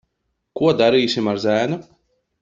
Ko darīsim ar zēnu?